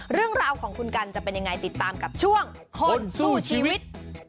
เรื่องราวของคุณกันจะเป็นยังไงติดตามกับช่วงคนสู้ชีวิต